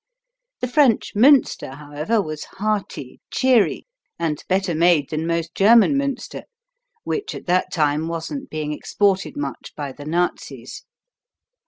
The French Münster, however, was hearty, cheery, and better made than most German Münster, which at that time wasn't being exported much by the Nazis.